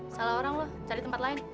salah orang loh cari tempat lain